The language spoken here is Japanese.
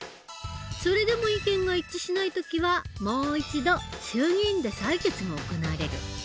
それでも意見が一致しない時はもう一度衆議院で採決が行われる。